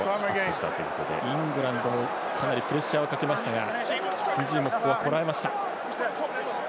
イングランドプレッシャーをかけましたがフィジーもここはこらえました。